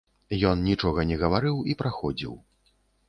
Ён нічога не гаварыў і праходзіў.